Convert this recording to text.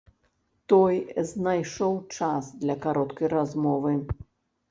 Той знайшоў час для кароткай размовы.